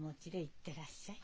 行ってらっしゃい。